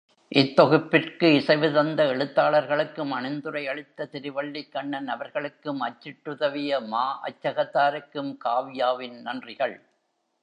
இத்தொகுப்பிற்கு இசைவு தந்த எழுத்தாளர்களுக்கும், அணிந்துரை அளித்த திருவல்லிக்கண்ணன் அவர்களுக்கும், அச்சிட்டுதவிய மா அச்சகத்தாருக்கும் காவ்யாவின் நன்றிகள்.